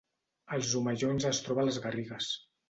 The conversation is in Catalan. Els Omellons es troba a les Garrigues